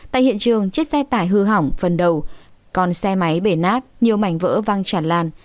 tại hiện trường chiếc xe tải hư hỏng phần đầu còn xe máy bể nát nhiều mảnh vỡ văng chản lan